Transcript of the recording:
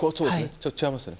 ちょっと違いますよね。